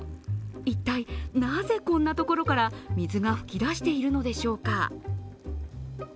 一体なぜこんなところから水が噴き出しているのでしょうか。